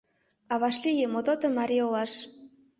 А вашлие Мототомари олаш.